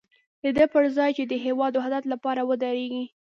د دې پر ځای چې د هېواد د وحدت لپاره ودرېږي.